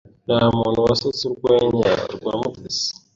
Ntamuntu wasetse urwenya rwa Mutesi.